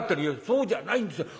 「そうじゃないんですよ。